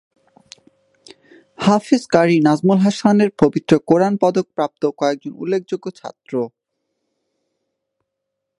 হাফেজ ক্বারী নাজমুল হাসানের পবিত্র কোরআন পদক প্রাপ্ত কয়েকজন উল্লেখযোগ্য ছাত্র।